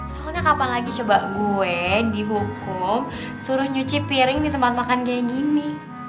soalnya kapan lagi coba gue dihukum suruh nyuci piring di tempat makan kayak gini